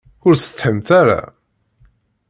Ur tessetḥimt ara?